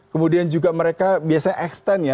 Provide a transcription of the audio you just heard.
kemudian juga mereka biasanya extend ya